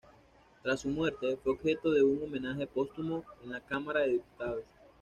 Tras su muerte, fue objeto de un homenaje póstumo en la Cámara de Diputados.